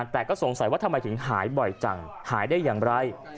แต่ก็สงสัยว่าทำไมถึงหายบ่อยจังหายได้อย่างไร